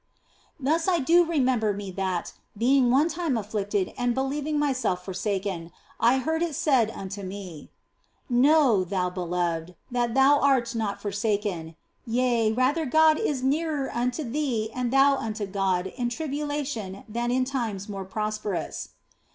Thus I do remember me that, being one time afflicted 248 THE BLESSED ANGELA and believing myself forsaken, I heard it said unto me :" Know, thou beloved, that thou art not forsaken yea, rather is God nearer unto thee and thou unto God in tribulation than in times more prosperous."